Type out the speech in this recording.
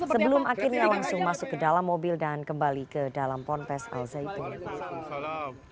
sebelum akhirnya langsung masuk ke dalam mobil dan kembali ke dalam ponpes al zaitun